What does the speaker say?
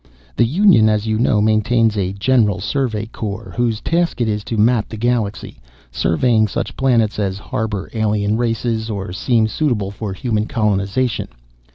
"The Union, as you know, maintains a General Survey Corps whose task it is to map the galaxy, surveying such planets as harbor alien races or seem suitable for human colonization.